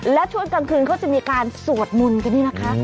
และชวนกลางคืนเขาจะมีการสวดบุญทีนี้นะคะ